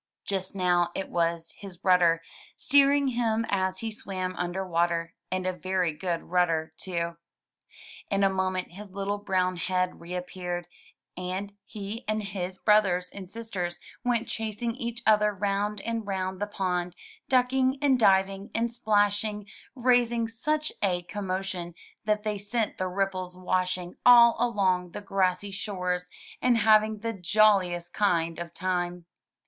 Just now it was his rudder, steering him as he swam imder water — and a very good rudder, too. In a moment his little brown head reappeared, and he and his brothers and sisters went chasing each other round and round the pond, ducking and diving and splashing, raising such a com motion that they sent the ripples washing all along the grassy shores, and having the jolliest kind of a time.